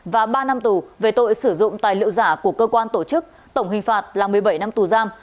và ba năm tù về tội sử dụng tài liệu giả của cơ quan tổ chức tổng hình phạt là một mươi bảy năm tù giam